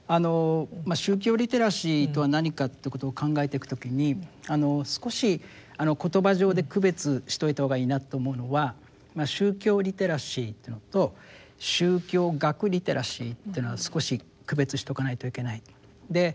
宗教リテラシーとは何かっていうことを考えていく時に少し言葉上で区別しといた方がいいなって思うのは宗教リテラシーっていうのと宗教学リテラシーっていうのは少し区別しとかないといけない。